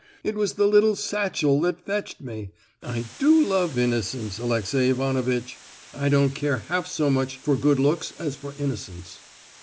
It was the little satchel that 'fetched' me. I do love innocence, Alexey Ivanovitch. I don't care half so much for good looks as for innocence.